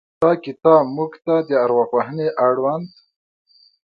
دا کتاب موږ ته د ارواپوهنې اړوند